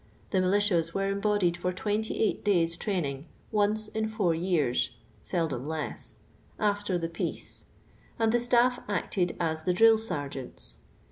The militias were embodied for twenty eight days' training, once in four years (seldom less) after tha peace, and the staff acted as the drill sergeants.